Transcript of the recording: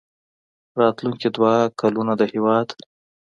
راتلونکي دوه کلونه د هېواد